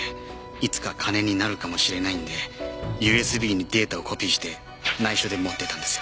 いつか金になるかもしれないんでＵＳＢにデータをコピーして内緒で持ってたんですよ。